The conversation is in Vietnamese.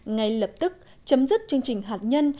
ngay lập tức chấm dứt chương trình hạt nhân